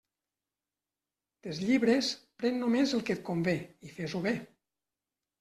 Dels llibres, pren només el que et convé, i fes-ho bé.